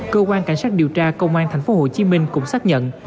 cơ quan cảnh sát điều tra công an tp hcm cũng xác nhận